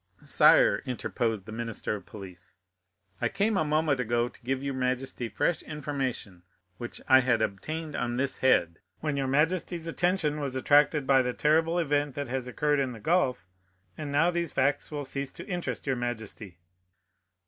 "Sire," interposed the minister of police, "I came a moment ago to give your majesty fresh information which I had obtained on this head, when your majesty's attention was attracted by the terrible event that has occurred in the gulf, and now these facts will cease to interest your majesty."